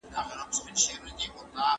ما پرون په باغ کې له ماشومانو سره لوبې وکړې.